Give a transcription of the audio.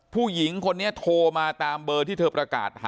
ผู้หญิงคนนี้โทรมาตามเบอร์ที่เธอประกาศหา